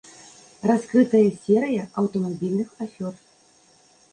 Раскрытая серыя аўтамабільных афёр.